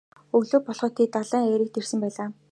Өглөө болоход тэд далайн эрэгт ирсэн байлаа.